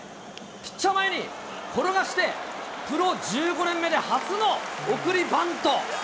ピッチャー前に転がして、プロ１５年目で初の送りバント。